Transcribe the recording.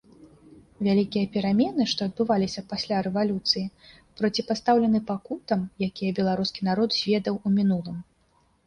Вялікія перамены, што адбываліся пасля рэвалюцыі, проціпастаўлены пакутам, якія беларускі народ зведаў у мінулым.